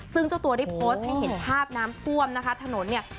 ซึ่งเจ้าตัวได้โพสต์ให้เห็นภาพน้ำท่วมนะคะถนนเนี่ย